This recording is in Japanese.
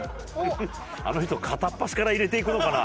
あの人片っ端から入れていくのかな？